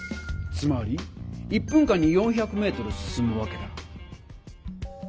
つまり１分間に４００メートル進むわけだ。